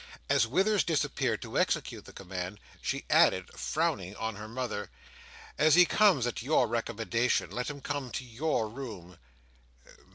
As Withers disappeared to execute the command, she added, frowning on her mother, "As he comes at your recommendation, let him come to your room."